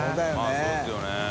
まぁそうですよね。